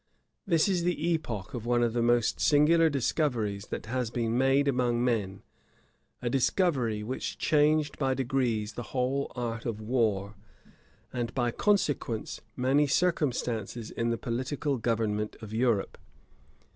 This is the epoch of one of the most singular discoveries that has been made among men; a discovery which changed by degrees the whole art of war, and by consequence many circumstances in the political government of Europe.